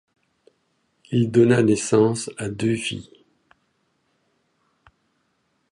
Il donna naissance à deux filles.